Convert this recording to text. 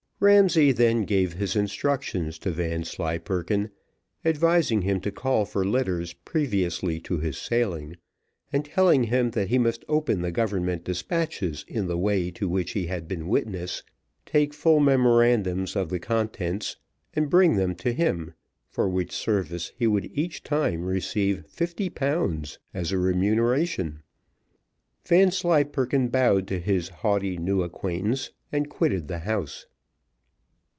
Ramsay then gave his instructions to Vanslyperken, advising him to call for letters previously to his sailing, and telling him that he must open the government despatches in the way to which he had been witness, take full memorandums of the contents, and bring them to him, for which service he would each time receive fifty pounds as a remuneration. Vanslyperken bowed to his haughty new acquaintance, and quitted the house.